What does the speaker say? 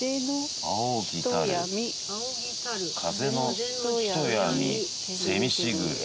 「扇ぎたる風のひとやみセミしぐれ」